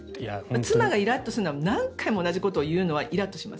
妻がイラッとするのは何回も同じことを言うのはイラッとします。